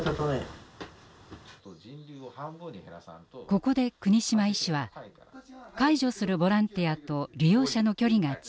ここで國島医師は「介助するボランティアと利用者の距離が近すぎる」と指摘。